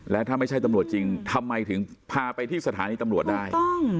และถ้าไม่ใช่ตำรวจจริงทำไมถึงพาไปที่สถานีตำรวจได้